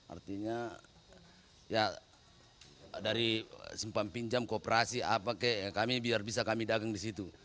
artinya ya dari simpan pinjam kooperasi kami biar bisa kami dagang di situ